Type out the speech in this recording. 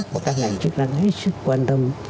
và các ngành chức năng hết sức quan tâm